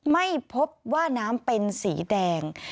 ไม่พบว่าน้ำเป็นสีแดง